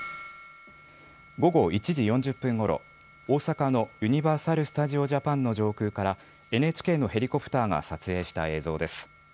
午後１時４０分ごろ、大阪のユニバーサル・スタジオ・ジャパンの上空からＮＨＫのヘリコプターが撮影した映像です。